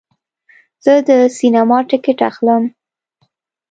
زه د سینما ټکټ اخلم.